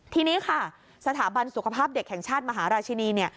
ทีนี้ค่ะสถาบันสุขภาพเด็กแห่งชาติมหาราชินีเนี่ย